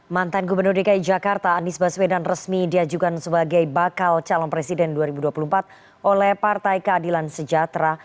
mantan gubernur dki jakarta anies baswedan resmi diajukan sebagai bakal calon presiden dua ribu dua puluh empat oleh partai keadilan sejahtera